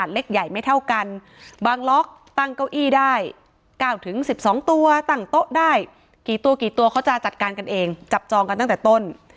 ใช่กี่ตัวกี่ตัวเขาจะจัดการกันเองจับจองกันตั้งแต่ต้น